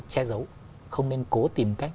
che giấu không nên cố tìm cách